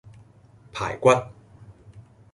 排骨